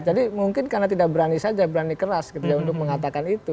jadi mungkin karena tidak berani saja berani keras untuk mengatakan itu